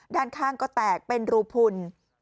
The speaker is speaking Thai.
ด้านข้างก็แตกเป็นรูพุน